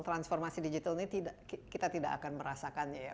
transformasi digital ini kita tidak akan merasakannya ya